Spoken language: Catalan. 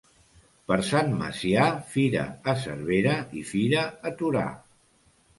Per Sant Macià, fira a Cervera i fira a Torà.